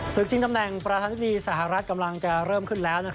ชิงตำแหน่งประธานธิบดีสหรัฐกำลังจะเริ่มขึ้นแล้ว